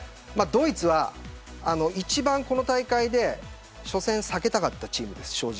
ドイツは一番この大会で初戦を避けたかったチームです。